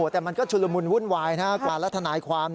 แต่มันก็ชุลมุนวุ่นวายนะฮะกว่ารัฐนายค์ความ